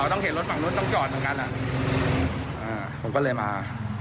ต้องเห็นรถฝั่งนู้นต้องจอดเหมือนกันผมก็เลยมา